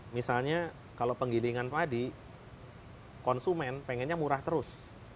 misalnya kalau penggilingan padi konsumen pengennya murah terus